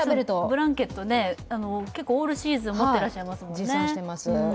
ブランケット、オールシーズン持っていらっしゃいますもんね。